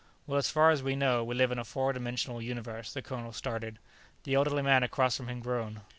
"Well, as far as we know, we live in a four dimensional universe," the colonel started. The elderly man across from him groaned.